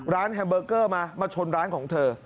แฮมเบอร์เกอร์มามาชนร้านของเธอ